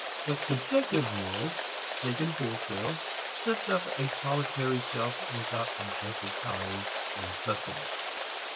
But subjective morals taken wholesale sets up a solitary self without objective ties and sustenance.